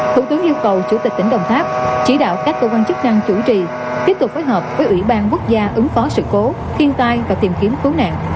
thủ tướng yêu cầu chủ tịch tỉnh đồng tháp chỉ đạo các cơ quan chức năng chủ trì tiếp tục phối hợp với ủy ban quốc gia ứng phó sự cố thiên tai và tìm kiếm cứu nạn